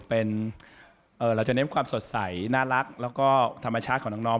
เป็นเราจะเน้นความสดใสน่ารักแล้วก็ธรรมชาติของน้อง